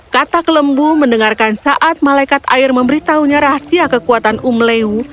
katak lembu mendengarkan saat malaikat air memberitahunya rahasia kekuatan um leu